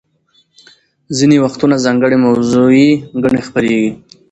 ځینې وختونه ځانګړې موضوعي ګڼې خپریږي.